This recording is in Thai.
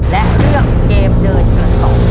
และเรื่องเกมเดินเมื่อสอง